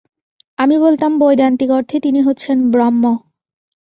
আমি বলতাম, বৈদান্তিক অর্থে তিনি হচ্ছেন ব্রহ্ম।